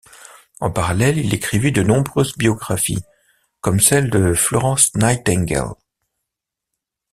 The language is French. En parallèle, il écrivit de nombreuses biographies, comme celle de Florence Nightingale.